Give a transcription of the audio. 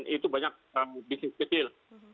itu banyak bisnis kecil